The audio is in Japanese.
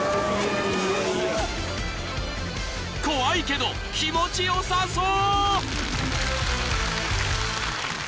［怖いけど気持ち良さそう！］